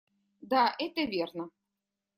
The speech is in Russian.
Да, это верно.